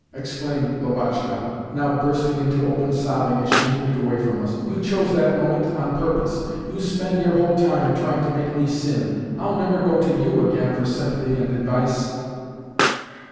exclaimed Lubotshka, now bursting into open sobbing as she moved away from us. "You chose that moment on purpose! You spend your whole time in trying to make me sin! I'll never go to YOU again for sympathy and advice!"